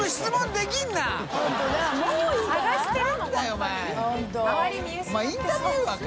お前インタビュアーか。